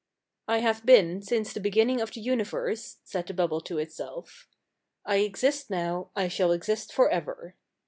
"I have been since the beginning of the universe," said the bubble to itself. "I exist now, I shall exist for ever.